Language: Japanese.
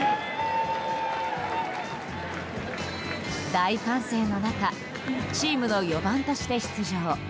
大歓声の中チームの４番として出場。